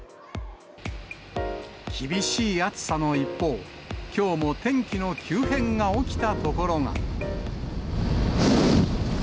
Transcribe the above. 厳しい暑さの一方、きょうも天気の急変が起きた所が。